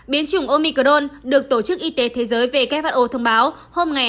biến chủng omicron được tổ chức y tế thế giới who thông báo hôm hai mươi năm một mươi một